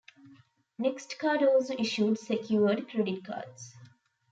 NextCard also issued secured credit cards.